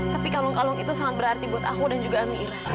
tapi kalung kalung itu sangat berarti buat aku dan juga amir